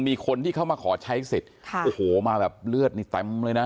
มีคนที่เขามาขอใช้สิทธิ์ค่ะโอ้โหมาแบบเลือดนี่เต็มเลยนะ